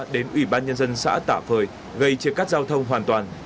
đến ủy ban nhân dân xã tả phời gây chia cắt giao thông hoàn toàn